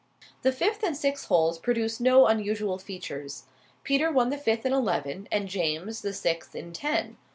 The fifth and sixth holes produced no unusual features. Peter won the fifth in eleven, and James the sixth in ten.